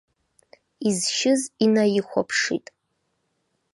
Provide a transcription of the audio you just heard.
Изшьыз инаихәаԥшит.